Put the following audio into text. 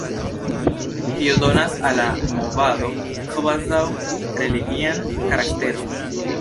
Tio donas al la movado kvazaŭ religian karakteron.